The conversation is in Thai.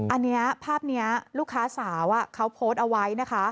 อันนี้ภาพนี้ลูกค้าสาวเขาโพสต์เอาไว้นะคะ